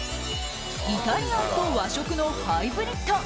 イタリアンと和食のハイブリッド。